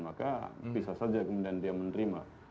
maka bisa saja kemudian dia menerima